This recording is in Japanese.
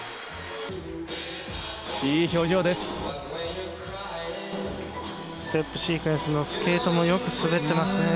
いい表情です。